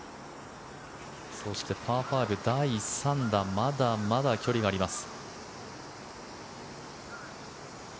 そしてパー５、第３打まだまだ距離があります。